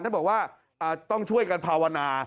ท่านบอกว่าต้องช่วยกันภาวนา